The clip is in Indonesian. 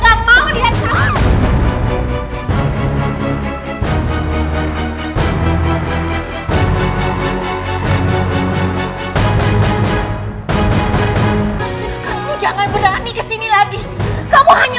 saya gak mau lihat kamu lagi